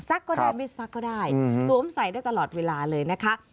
ก็ได้ไม่ซักก็ได้สวมใส่ได้ตลอดเวลาเลยนะคะ